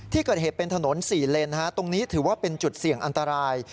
ที่เกิดเหตุเป็นถนน๔เลนตรงนี้ถือว่าเป็นจุดเสี่ยงอันตราย